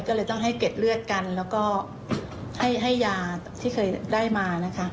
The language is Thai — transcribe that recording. ก็เลยต้องให้เก็ดเลือดกันแล้วก็ให้ยาที่เคยได้มานะคะ